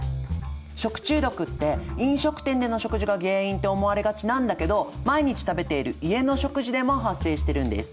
食中毒って飲食店での食事が原因って思われがちなんだけど毎日食べている家の食事でも発生してるんです。